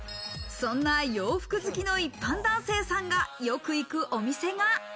そんな洋服好きの一般男性さんがよく行くお店が。